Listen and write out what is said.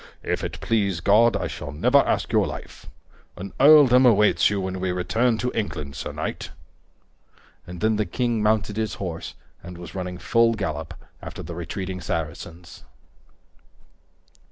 "If it please God, I shall never ask your life. An earldom awaits you when we return to England, sir knight." And then the king mounted his horse and was running full gallop after the retreating Saracens.